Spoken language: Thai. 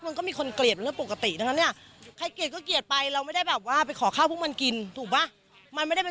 เห็บหมัดเห็บหมานะครับ